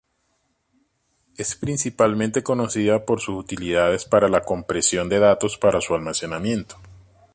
Es principalmente conocida por sus utilidades para la compresión de datos para su almacenamiento.